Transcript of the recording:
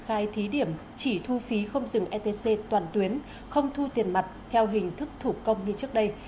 a còng truyền hình công an